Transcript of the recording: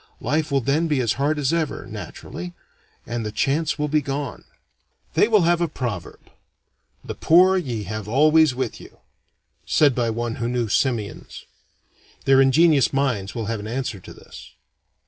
Life will then be as hard as ever, naturally, and the chance will be gone. They will have a proverb, "The poor ye have always with you," said by one who knew simians. Their ingenious minds will have an answer to this.